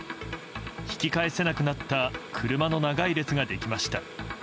引き返せなくなった車の長い列ができました。